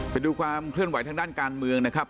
ไปดูความเคลื่อนไหวทางด้านการเมืองนะครับ